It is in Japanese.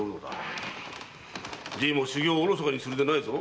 じいも修行を疎かにするでないぞ。